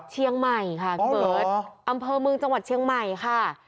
เชียงใหม่ค่ะพี่เบิร์ตอำเภอเมืองจังหวัดเชียงใหม่ค่ะ